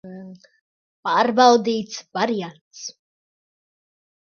Pārbaudīts variants.